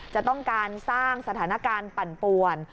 จะต้องการสร้างสถานการณ์ปั่นป่วน